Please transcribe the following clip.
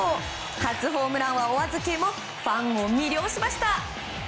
初ホームランはお預けもファンを魅了しました。